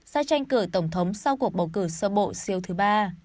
sẽ tranh cử tổng thống sau cuộc bầu cử sơ bộ siêu thứ ba